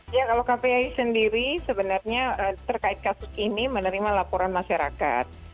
ya kalau kpi sendiri sebenarnya terkait kasus ini menerima laporan masyarakat